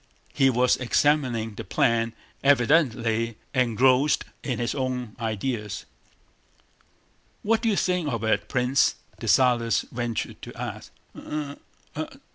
He was examining the plan, evidently engrossed in his own ideas. "What do you think of it, Prince?" Dessalles ventured to ask. "I? I?..."